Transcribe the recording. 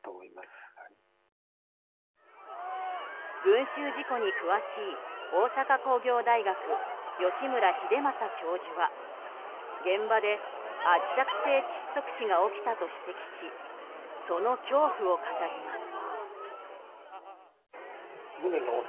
群衆事故に詳しい大阪工業大学、吉村英祐教授は現場で圧着性窒息死が起きたと指摘しその恐怖を語ります。